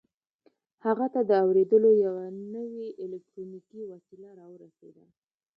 هغه ته د اورېدلو یوه نوې الکټرونیکي وسیله را ورسېده